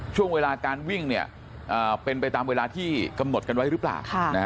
ช่วงเวลาการวิ่งเป็นไปตามเวลาที่กำหนดกันไว้หรือเปล่า